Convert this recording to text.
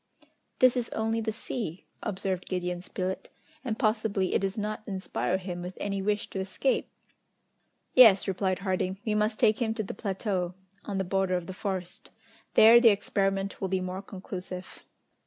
"This is only the sea," observed Gideon Spilett, "and possibly it does not inspire him with any wish to escape!" "Yes," replied Harding, "we must take him to the plateau, on the border of the forest. There the experiment will be more conclusive."